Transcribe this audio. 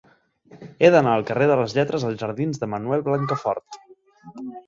He d'anar del carrer de les Lletres als jardins de Manuel Blancafort.